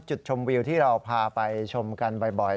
จุดชมวิวที่เราพาไปชมกันบ่อย